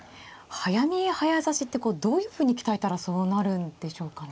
早見え早指しってどういうふうに鍛えたらそうなるんでしょうかね。